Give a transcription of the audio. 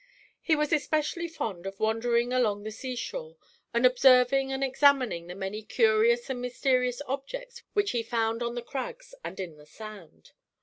He was especially fond of wandering along the seashore, and observing and examining the many curious and mysterious objects which he found on the crags and in the sand.